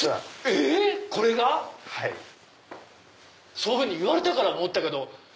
そういうふうに言われたから思ったけど。